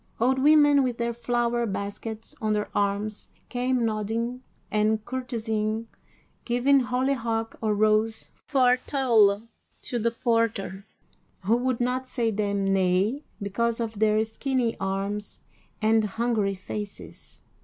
Old women with their flower baskets on their arms came nodding and courtesying, giving hollyhock or rose for toll to the porter, who would not say them nay because of their skinny arms and hungry faces.